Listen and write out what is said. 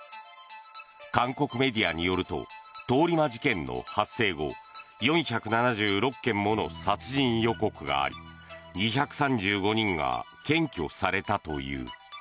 韓国メディアによると通り魔事件の発生後４７６件もの殺人予告があり２３５人が検挙されたという。